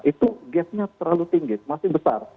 itu gap nya terlalu tinggi masih besar